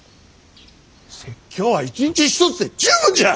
説教は一日一つで十分じゃ！